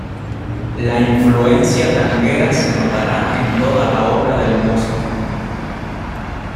La influencia tanguera se notará en toda la obra del músico.